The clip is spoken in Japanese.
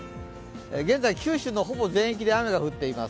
現在、九州のほぼ全域で雨が降っています。